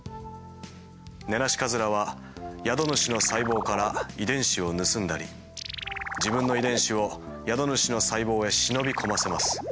ネナシカズラは宿主の細胞から遺伝子を盗んだり自分の遺伝子を宿主の細胞へ忍び込ませます。